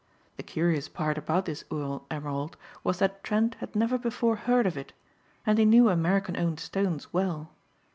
The curious part about this Ural emerald was that Trent had never before heard of it and he knew American owned stones well.